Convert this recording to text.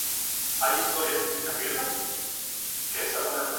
Roldán cogió armas de La Isabela y se retiró a Jaragua.